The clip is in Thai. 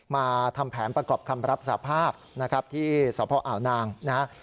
มาทำแผนประกอบคำรับสาภาพนะครับที่สพอ่าวนางนะครับ